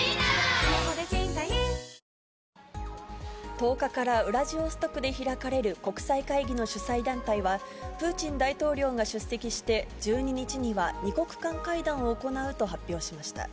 １０日からウラジオストクで開かれる国際会議の主催団体は、プーチン大統領が出席して１２日には二国間会談を行うと発表しました。